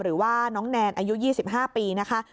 หรือว่าน้องแนนอายุ๒๕ปีนะคะ